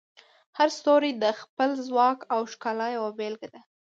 هر ستوری د خپل ځواک او ښکلا یوه بیلګه ده.